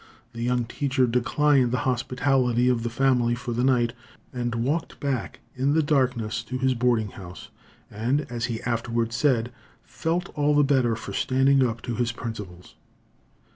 The young teacher declined the hospitality of the family for the night, and walked back in the darkness to his boarding house, and, as he afterward said, felt all the better for standing up to his principles.